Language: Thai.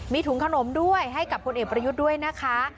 มีถุงขนมด้วยให้กับคนเอกประยุทธ์ด้วยนะคะ